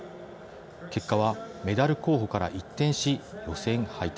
結果はメダル候補から一転し予選敗退。